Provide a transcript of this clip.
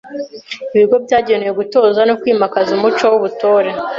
Ibigo byagenewe gutoza no kwimakaza umuco w’ubutore